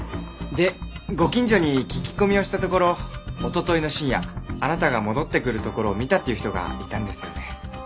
でご近所に聞き込みをしたところ一昨日の深夜あなたが戻ってくるところを見たっていう人がいたんですよね。